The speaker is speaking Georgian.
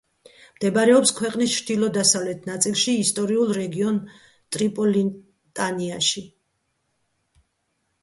მდებარეობს ქვეყნის ჩრდილო-დასავლეთ ნაწილში, ისტორიულ რეგიონ ტრიპოლიტანიაში.